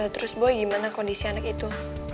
terus boy gimana kondisi anak itu